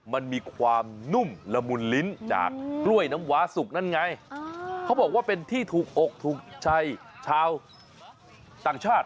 มันมีความนุ่มละมุนลิ้นจากกล้วยน้ำว้าสุกนั่นไงเขาบอกว่าเป็นที่ถูกอกถูกใจชาวต่างชาติ